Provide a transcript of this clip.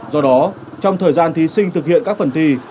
do đó trong thời gian thí sinh thực hiện các phần thi